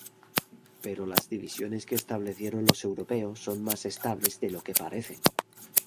Pero las divisiones que establecieron los europeos son más estables de lo que parecen.